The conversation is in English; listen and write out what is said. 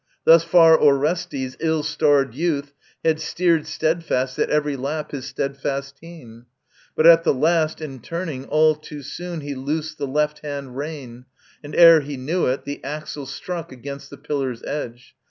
Thus far Orestes, ill starred youth, had steered Steadfast at every lap his steadfast team, But at the last, in turning, all too soon He loosed the left hand rein, and ere he knew it The axle struck against the pillar's edge.